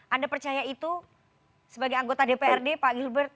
anda percaya itu sebagai anggota dprd pak gilbert